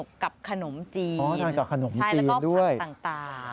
อ๋อทานกับขนมจีนด้วยแล้วก็ผักต่างใช่แล้วก็ผักต่าง